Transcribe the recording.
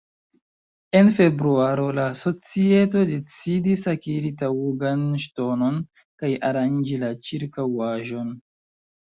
En februaro la societo decidis akiri taŭgan ŝtonon kaj aranĝi la ĉirkaŭaĵon.